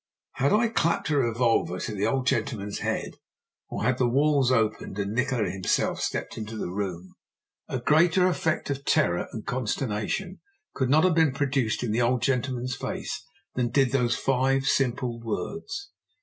Had I clapped a revolver to the old gentleman's head, or had the walls opened and Nikola himself stepped into the room, a greater effect of terror and consternation could not have been produced in the old gentleman's face than did those five simple words.